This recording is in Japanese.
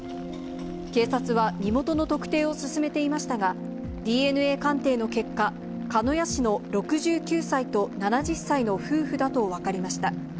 警察は身元の特定を進めていましたが、ＤＮＡ鑑定の結果、鹿屋市の６９歳と７０歳の夫婦だと分かりました。